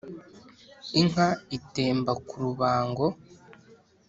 inka itemba ku rubango